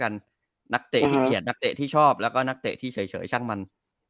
นักเตะขี้เกียจนักเตะที่ชอบแล้วก็นักเตะที่เฉยช่างมัน